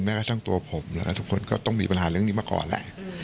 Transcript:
กระทั่งตัวผมแล้วก็ทุกคนก็ต้องมีปัญหาเรื่องนี้มาก่อนแหละ